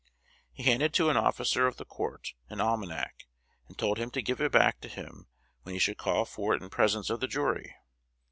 He handed to an officer of the court an almanac, and told him to give it back to him when he should call for it in presence of the jury.